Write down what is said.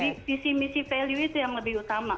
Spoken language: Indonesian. jadi visi misi value itu yang lebih utama